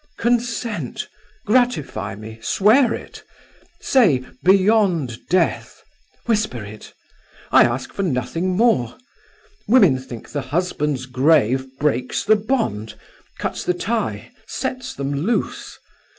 "Consent; gratify me; swear it. Say: 'Beyond death.' Whisper it. I ask for nothing more. Women think the husband's grave breaks the bond, cuts the tie, sets them loose.